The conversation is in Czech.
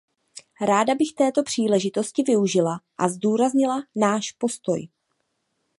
Ráda bych této příležitosti využila a zdůraznila náš postoj.